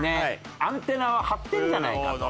アンテナは張ってるんじゃないかと。